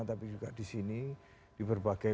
tapi juga disini di berbagai